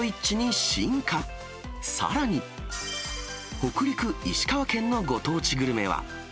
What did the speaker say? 北陸・石川県のご当地グルメは。